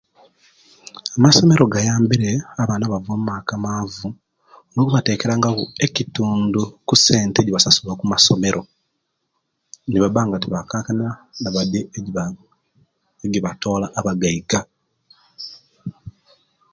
Amasomero gayambire abaana abo abomaka amavu okubatekeranga ku ekitundu esente ejibasasula okumasomero niba nga tibaikankana nibadi egibatola abagaiga